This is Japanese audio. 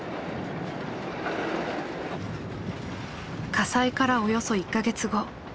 火災からおよそ１か月後。